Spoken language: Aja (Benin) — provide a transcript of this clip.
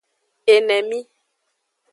Enemi.